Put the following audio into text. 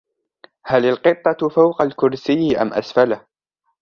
هل القطة فوق الكرسي أم أسفله ؟